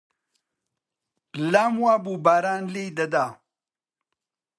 لام وا بوو باران لێی دەدا